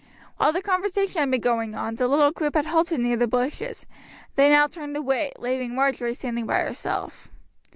While the conversation had been going on, the little group had halted near the bushes, and they now turned away, leaving Marjory standing by herself.